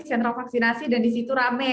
sentra vaksinasi dan di situ rame